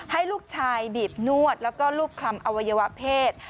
ให้ลูกชายบีบนวดแล้วก็รูปคลำอวัยวะเพศ